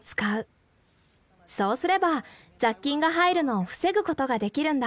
そうすれば雑菌が入るのを防ぐことができるんだ。